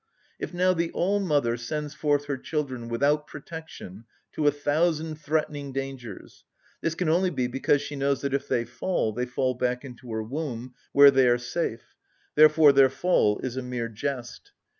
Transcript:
If now the all‐mother sends forth her children without protection to a thousand threatening dangers, this can only be because she knows that if they fall they fall back into her womb, where they are safe; therefore their fall is a mere jest.